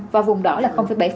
và vùng đỏ là bảy